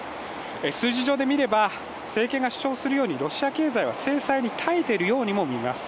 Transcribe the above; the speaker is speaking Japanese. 数字上で見れば、政権が主張するようにロシア経済は制裁に耐えているようにも見えます。